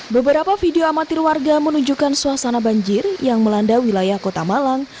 beberapa video amatir warga menunjukkan suasana banjir yang melanda wilayah kota malang